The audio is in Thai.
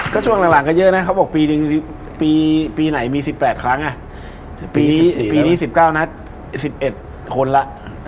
ก็ช่วงหลังก็เยอะนะเขาบอกปีไหนมี๑๘ครั้งปีนี้๑๙นะ๑๑คนละ